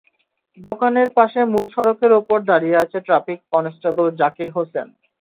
দোকানের পাশে মূল সড়কের ওপর দাঁড়িয়ে আছেন ট্রাফিক কনস্টেবল জাকির হোসেন।